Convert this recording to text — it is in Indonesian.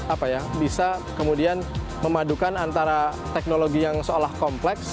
apa ya bisa kemudian memadukan antara teknologi yang seolah kompleks